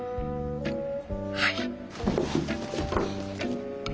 はい。